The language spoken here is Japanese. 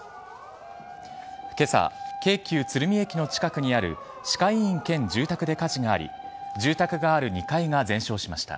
今朝、京急鶴見駅の近くにある歯科医院兼住宅で火事があり住宅がある２階が全焼しました。